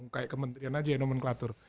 kayak kementerian aja yang nomenklatur